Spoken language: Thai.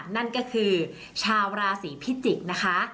นั่นก็คือชาวราศีพิจิกษ์นะคะ